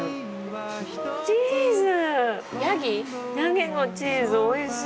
チーズ！